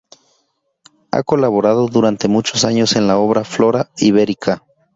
Ha colaborado durante muchos años en la obra "Flora iberica".